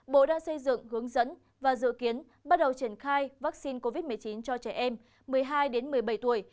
bộ đang xây dựng hướng dẫn và dự kiến bắt đầu triển khai vaccine covid một mươi chín cho trẻ em một mươi hai một mươi bảy tuổi